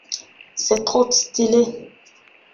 C'est trop stylé.